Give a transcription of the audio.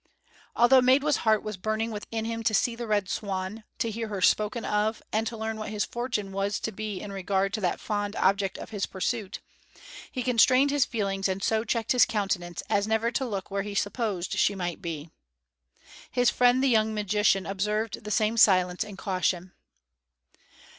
Although Maidwa's heart was burning within him to see the Red Swan, to hear her spoken of, and to learn what his fortune was to be in regard to that fond object of his pursuit, he constrained his feelings and so checked his countenance as never to look where he supposed she might be. His friend the young magician observed the same silence and caution.